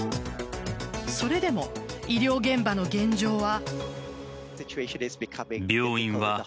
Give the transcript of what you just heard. それでも医療現場の現状は。